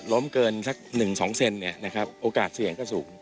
เกินสัก๑๒เซนโอกาสเสี่ยงก็สูง